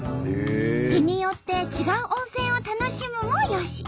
日によって違う温泉を楽しむもよし。